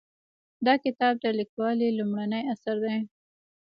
دا کتاب د لیکوالې لومړنی اثر دی